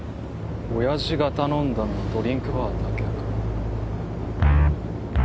親父が頼んだのはドリンクバーだけか。